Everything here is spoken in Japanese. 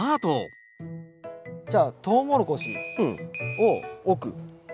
じゃあトウモロコシを奥。